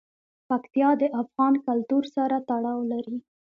پکتیا د افغان کلتور سره تړاو لري.